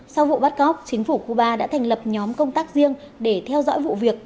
sau vụ bắt cóc chính phủ cuba đã thành lập nhóm công tác riêng để theo dõi vụ việc